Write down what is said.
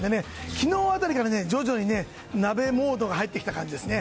昨日辺りから徐々に鍋モードに入ってきた感じですね。